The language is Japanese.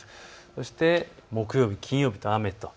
そして木曜日、金曜日と雨と。